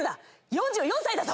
４４歳だぞ？